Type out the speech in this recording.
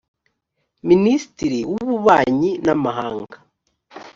minisitiri w’ububanyi n’amahanga